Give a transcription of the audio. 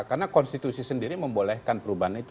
karena konstitusi sendiri membolehkan perubahan itu